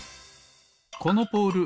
このポール